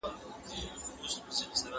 نړۍ د ټولو لپاره کافي ده.